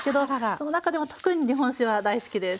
その中でも特に日本酒は大好きです。